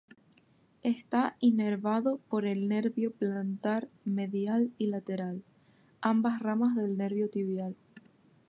Está inervado por el nervio plantar medial y lateral, ambas ramas del nervio tibial.